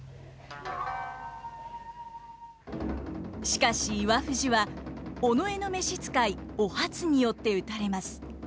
しかし岩藤は尾上の召し使いお初によって討たれます。